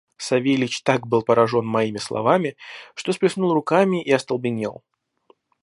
Савельич так был поражен моими словами, что сплеснул руками и остолбенел.